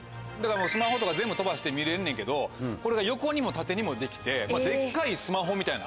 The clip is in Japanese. スマホとか全部飛ばして見れんねんけどこれが横にも縦にもできてでっかいスマホみたいな。